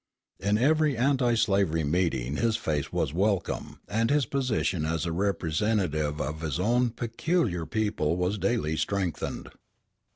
In every anti slavery meeting his face was welcome, and his position as a representative of his own peculiar people was daily strengthened.